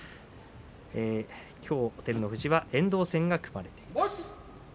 きょう照ノ富士は遠藤戦が組まれています。